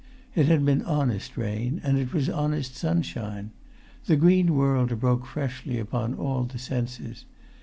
It had been honest rain, and it was honest sunshine. The green world broke freshly upon all the senses.